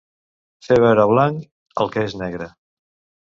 Fer veure blanc el que és negre.